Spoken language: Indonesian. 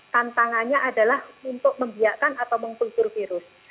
tantangannya adalah untuk membiakkan atau mengkultur virus